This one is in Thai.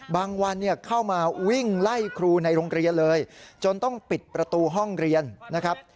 วันเข้ามาวิ่งไล่ครูในโรงเรียนเลยจนต้องปิดประตูห้องเรียนนะครับ